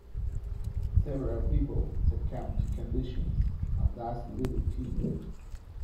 Several people succumb to the conditions, as does little Tam.